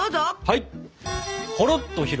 はい！